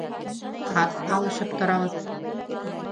Хат алышып торабыҙ.